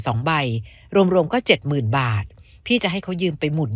สองใบรวมรวมก็เจ็ดหมื่นบาทพี่จะให้เขายืมไปหมุน